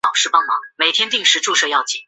勒佩尔特尔人口变化图示